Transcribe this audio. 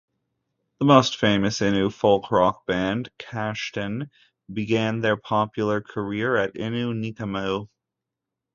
The most famous Innu folk-rock band, Kashtin, began their popular career at Innu Nikamu.